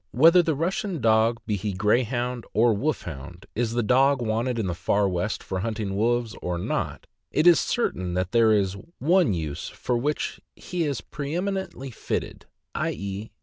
Whether the Russian dog — be he Greyhound, or Wolfhound — is the dog wanted in the Far West for hunting wolves, or not, it is certain that there is one '' use '' for which he is preemi nently fitted; i. e.